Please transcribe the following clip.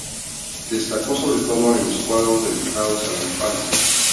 Destacó sobre todo en los cuadros dedicados a la infancia.